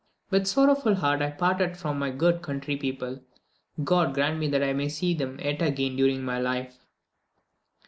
With a sorrowful heart I parted from my good country people. God grant that I may see them yet again during my life!